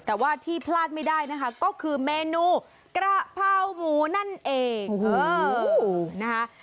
แต่ว่าที่พลาดไม่ได้นะคะก็คือเมนูกระเพราหมูนั่นเองโอ้โหนะคะ